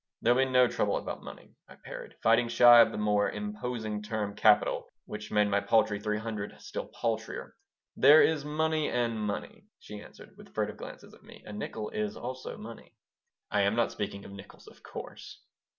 "There'll be no trouble about money," I parried, fighting shy of the more imposing term "capital," which made my paltry three hundred still paltrier "There is money and money," she answered, with furtive glances at me. "A nickel is also money." "I am not speaking of nickels, of course."